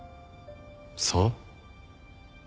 そう？